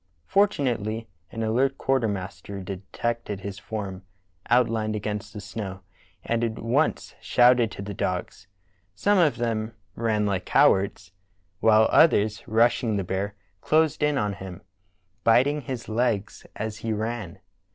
Fortunately an alert quartermaster de tected his form outlined against the snow and at once shouted to the dogs. Some of them ran like cowards, while others, rushing the bear, closed in on him, biting his legs as he ran.